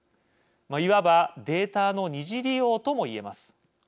いわばデータの二次利用とも言えます。